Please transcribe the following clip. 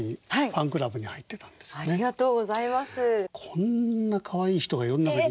こんなかわいい人が世の中にいるのかと。